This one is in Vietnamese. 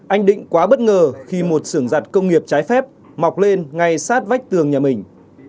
anh định quá bất ngờ khi một xưởng giặt công nghiệp trái phép mọc lên ngay sát vách tường nhà mình